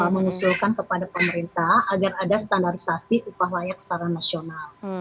mengusulkan kepada pemerintah agar ada standarisasi upah layak secara nasional